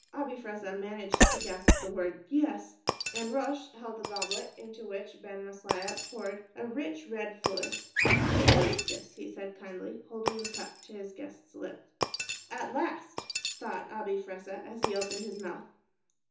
Abi Fressah managed to gasp the word "Yes," and Rosh held a goblet into which Ben Maslia poured a rich, red fluid. "Drink this," he said kindly, holding the cup to his guest's lip. "At last," thought Abi Fressah, as he opened his mouth.